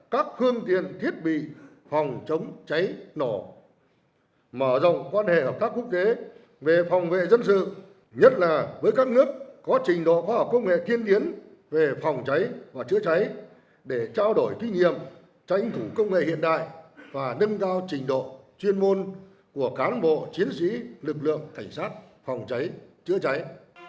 các phương tiện thiết bị phòng chống cháy nổ mở rộng quan hệ hợp tác quốc tế về phòng vệ dân sự nhất là với các nước có trình độ khoa học công nghệ tiên tiến về phòng cháy và chữa cháy để trao đổi kinh nghiệm tránh thủ công nghệ hiện đại và nâng cao trình độ chuyên môn của cán bộ chiến sĩ lực lượng cảnh sát phòng cháy chữa cháy